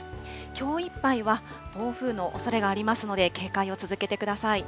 きょういっぱいは暴風のおそれがありますので、警戒を続けてください。